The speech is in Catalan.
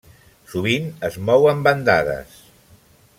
Sovint es mou en bandades.